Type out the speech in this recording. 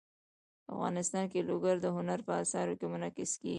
افغانستان کې لوگر د هنر په اثار کې منعکس کېږي.